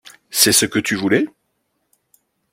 C’est ce que tu voulais?